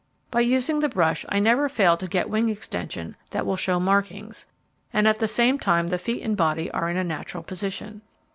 By using the brush I never fail to get wing extension that will show markings, and at the same time the feet and body are in a natural position.